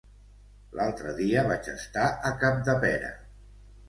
L'altre dia vaig estar a Capdepera.